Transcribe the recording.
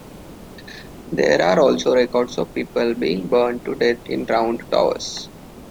There are also records of people being burned to death in round towers.